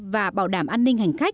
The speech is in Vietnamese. và bảo đảm an ninh hành khách